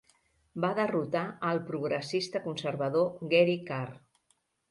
Va derrotar al progressista conservador Gary Carr.